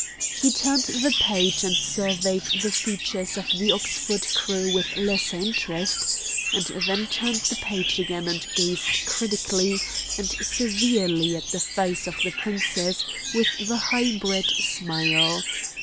He turned the page and surveyed the features of the Oxford crew with lesser interest, and then turned the page again and gazed critically and severely at the face of the princess with the high bred smile.